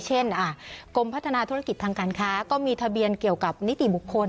กรมพัฒนาธุรกิจทางการค้าก็มีทะเบียนเกี่ยวกับนิติบุคคล